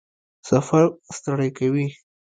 سفر ستړی کوي؟